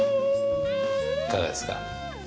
いかがですか？